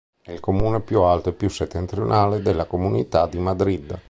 È il comune più alto e più settentrionale della comunità di Madrid.